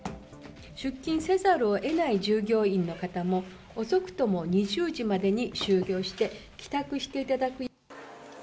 出勤せざるをえない従業員の方も、遅くとも２０時までに終業して、帰宅していただくよう。